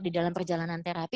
di dalam perjalanan terapi